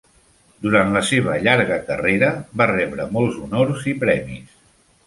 Durant la seva llarga carrera, va rebre molts honors i premis.